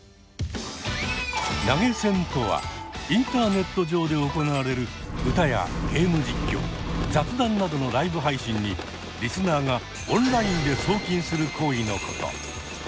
投げ銭とはインターネット上で行われる歌やゲーム実況雑談などのライブ配信にリスナーがオンラインで送金する行為のこと。